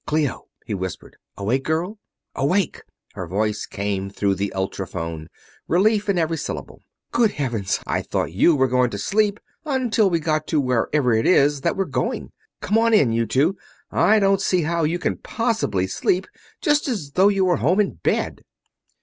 "Clio?" he whispered. "Awake, girl?" "Awake!" her voice come through the ultra phone, relief in every syllable. "Good heavens, I thought you were going to sleep until we got to wherever it is that we're going! Come on in, you two I don't see how you can possibly sleep, just as though you were home in bed."